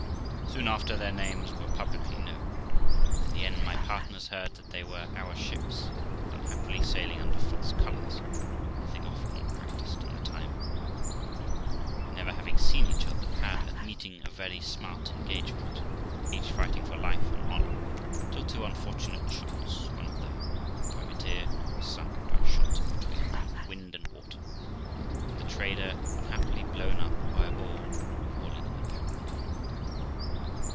Soon after their names were publicly known, and, in the end, my partners heard that they were our ships, and unhappily sailing under false colours (a thing often practised in the time of war), and never having seen each other, had, at meeting, a very smart engagement, each fighting for life and honour, till two unfortunate shots; one of them, viz., the privateer, was sunk by a shot between wind and water, and the trader unhappily blown up by a ball falling in the powder room.